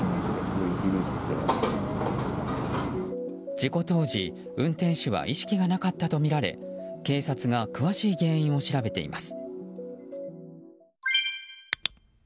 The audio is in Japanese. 事故当時、運転手は意識がなかったとみられ警察が詳しい原因を調べています。